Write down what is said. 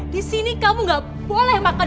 disini kamu gak boleh makan